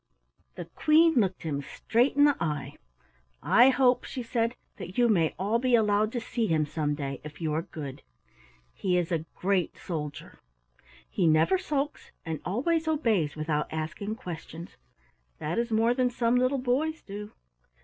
The Queen looked him straight in the eye. "I hope," she said, "that you may all be allowed to see him some day, if you are good. He is a great soldier. He never sulks, and always obeys without asking questions. That is more than some little boys do."